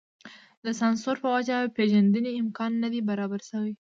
د سانسور په وجه پېژندنې امکان نه دی برابر شوی.